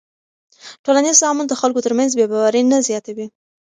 ټولنیز تعامل د خلکو تر منځ بېباوري نه زیاتوي.